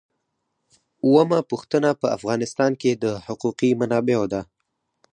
اوومه پوښتنه په افغانستان کې د حقوقي منابعو ده.